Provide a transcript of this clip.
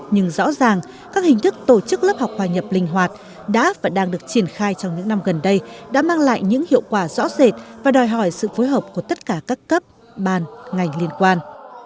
nhưng rõ ràng các hình thức tổ chức lớp học hòa nhập linh hoạt đã và đang được triển khai trong những năm gần đây đã mang lại những hiệu quả rõ rệt và đòi hỏi sự phối hợp của tất cả các cấp ban ngành liên quan